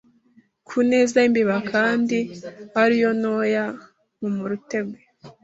ku neza y'imbeba kandi ari yo ntoya mumrutege